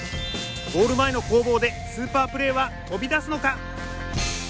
ゴール前の攻防でスーパープレーは飛び出すのか？